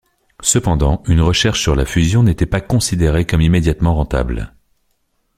Cependant, une recherche sur la fusion n'était pas considérée comme immédiatement rentable.